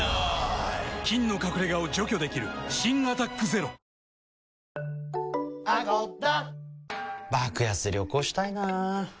菌の隠れ家を除去できる新「アタックＺＥＲＯ」「キュキュット」